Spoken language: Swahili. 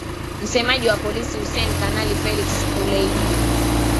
msemaji wa polisi hussen kanali felix kuleidi